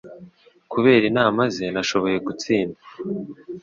Kubera inama ze, nashoboye gutsinda